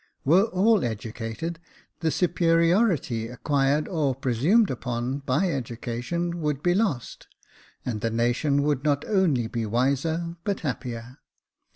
Were all educated, the superiority acquired or presumed upon by education would be lost, and the nation would not only be wiser, but happier.